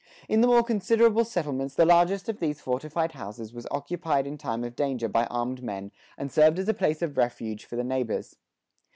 In the more considerable settlements the largest of these fortified houses was occupied in time of danger by armed men and served as a place of refuge for the neighbors.